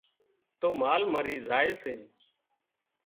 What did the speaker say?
تو مال مرِي زائي سي